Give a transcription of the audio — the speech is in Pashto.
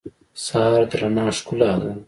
سهار د رڼا ښکلا ده.